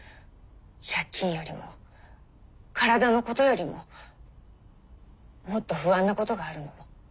借金よりも体のことよりももっと不安なことがあるの。